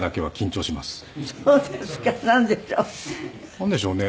なんでしょうね。